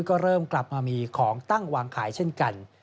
ก็เริ่มกลับมามีของตั้งวางขายเช่นกัน